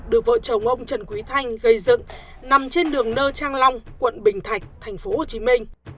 được vợ chồng ông trần quý thanh gây dựng nằm trên đường nơ trang long quận bình thạnh thành phố hồ chí minh